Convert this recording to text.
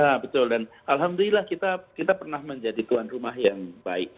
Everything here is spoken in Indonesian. nah betul dan alhamdulillah kita pernah menjadi tuan rumah yang baik